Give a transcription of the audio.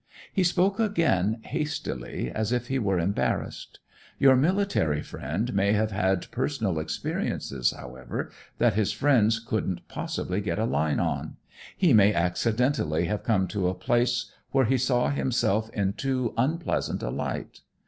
He spoke again hastily, as if he were embarrassed. "Your military friend may have had personal experiences, however, that his friends couldn't possibly get a line on. He may accidentally have come to a place where he saw himself in too unpleasant a light.